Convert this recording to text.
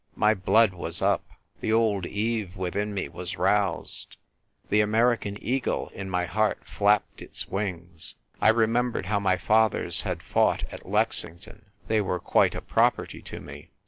My blood was up. The old Eve within me was roused. The American eagle in my heart flapped its wings. I remembered how my fathers had fought at Lexington (they were quite a property to mc).